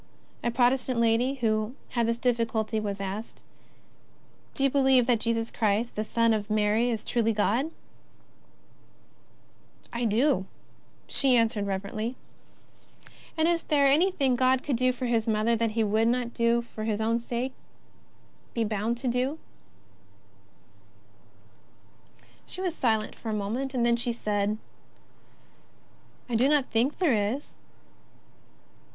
A Protes ' tant lady, who had this difficulty, was asked: " Do you believe that Jesus Christ the Son of Mary is truly God ?"" I do," she answered reverently. * 111 Kings vi., vii JESTJS OF NAZARETH. 51 "And is there anything God could do for His Mother that He would not for His own sake be bound to do f She was silent for a moment, and then said :" I do not think there is."